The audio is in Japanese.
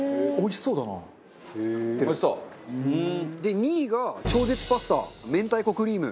で２位が絶頂パスタ明太子クリーム。